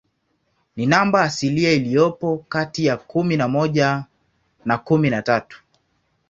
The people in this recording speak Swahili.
Ni namba asilia iliyopo kati ya kumi na moja na kumi na tatu.